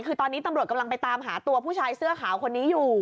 คือตอนนี้ตำรวจกำลังไปตามหาตัวผู้ชายเสื้อขาวคนนี้อยู่